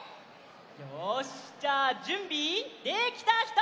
よしじゃあじゅんびできたひと！